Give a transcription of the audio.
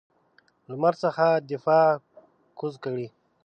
لمر څخه دماغ کوز کړ.